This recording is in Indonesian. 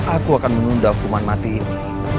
aku akan menunda hukuman mati ini